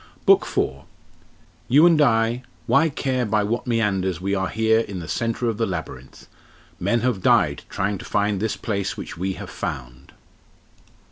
BOOK IV. "You and I Why care by what meanders we are here I' the centre of the labyrinth? Men have died Trying to find this place which we have found."